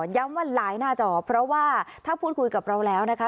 ย้ำว่าหลายหน้าจอเพราะว่าถ้าพูดคุยกับเราแล้วนะคะ